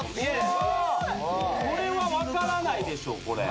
これは分からないでしょ。